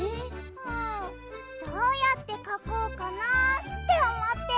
うんどうやってかこうかなっておもって。